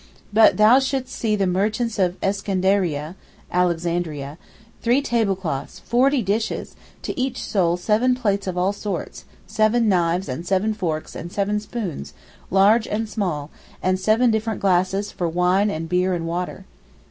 But thou shouldst see the merchants of Escandarieh, (Alexandria), three tablecloths, forty dishes, to each soul seven plates of all sorts, seven knives and seven forks and seven spoons, large and small, and seven different glasses for wine and beer and water.